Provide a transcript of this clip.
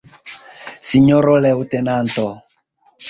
Sinjoro leŭtenanto!